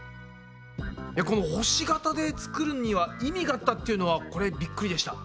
この星型で作るには意味があったっていうのはこれびっくりでした。